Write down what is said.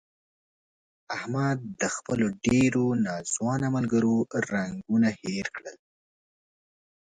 احمد د خپلو ډېرو ناځوانه ملګرو رنګون هیر کړل.